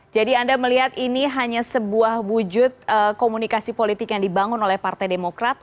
jadi anda melihat ini hanya sebuah wujud komunikasi politik yang dibangun oleh partai demokrat